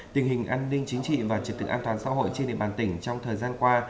tình hình an ninh chính trị và trật tự an toàn xã hội trên địa bàn tỉnh trong thời gian qua